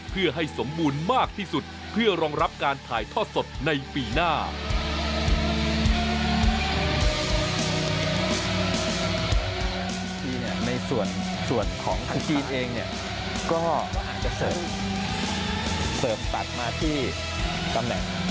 เพื่อให้สมบูรณ์มากที่สุดเพื่อรองรับการถ่ายทอดสดในปีหน้า